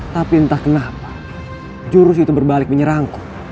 tapi entah kenapa jurus itu berbalik menyerangku